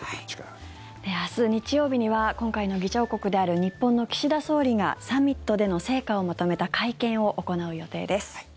明日、日曜日には今回の議長国である日本の岸田総理がサミットでの成果をまとめた会見を行う予定です。